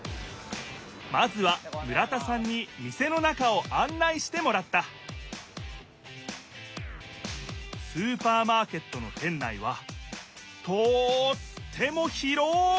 まずは村田さんに店の中をあん内してもらったスーパーマーケットの店内はとっても広い！